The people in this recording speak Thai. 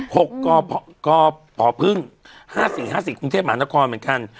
หกก็พอก็ป่อพึ่งห้าสี่ห้าสี่คุณเทพหมานครเหมือนกัน